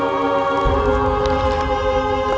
mama berdoa dulu papa